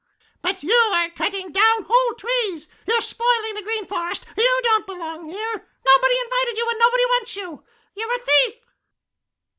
But you are cutting down whole trees. You are spoiling the Green Forest. You don't belong here. Nobody invited you, and nobody wants you. You're a thief!"